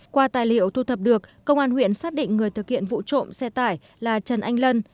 qua tài liệu thu thập được công an huyện xác định người thực hiện vụ trộm xe tải là trần anh lân